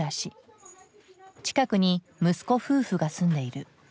近くに息子夫婦が住んでいる。